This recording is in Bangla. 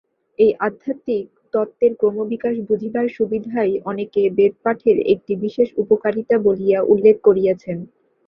এই আধ্যাত্মিক তত্ত্বের ক্রমবিকাশ বুঝিবার সুবিধাই অনেকে বেদপাঠের একটি বিশেষ উপকারিতা বলিয়া উল্লেখ করিয়াছেন।